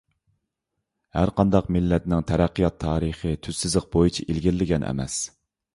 ھەرقانداق مىللەتنىڭ تەرەققىيات تارىخى تۈز سىزىق بويىچە ئىلگىرىلىگەن ئەمەس.